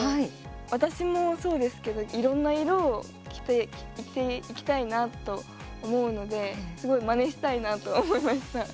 私もそうですけどいろんな色を着ていっていきたいなと思うのですごいまねしたいなと思いました。